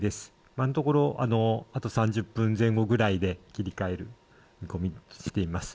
今のところあと３０分前後ぐらいで切り替える見込みにしています。